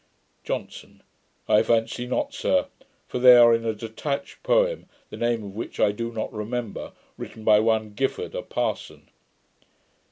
JOHNSON. 'I fancy not, sir; for they are in a detached poem, the name of which I do not remember, written by one Giffard, a parson.'